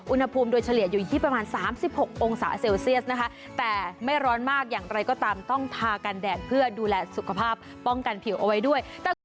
อุณหภูมิโดยเฉลี่ยอยู่ที่ประมาณ๓๖องศาเซลเซียสนะคะแต่ไม่ร้อนมากอย่างไรก็ตามต้องทากันแดดเพื่อดูแลสุขภาพป้องกันผิวเอาไว้ด้วย